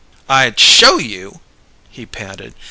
"I'd show you!" he panted.